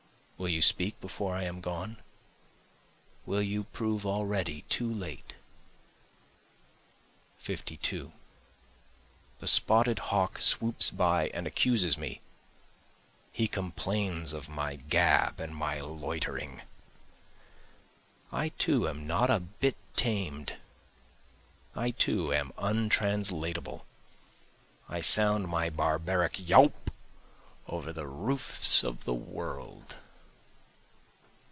Will you speak before I am gone? will you prove already too late? 52 The spotted hawk swoops by and accuses me, he complains of my gab and my loitering. I too am not a bit tamed, I too am untranslatable, I sound my barbaric yawp over the roofs of the world.